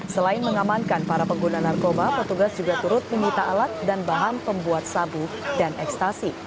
selain mengamankan para pengguna narkoba petugas juga turut menyita alat dan bahan pembuat sabu dan ekstasi